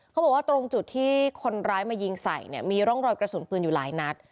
เขาบอกว่าตรงจุดที่คนร้ายมายิงใส่เนี่ยมีร่องรอยกระสุนปืนอยู่หลายนัด